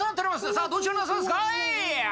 さあどちらになさいますか？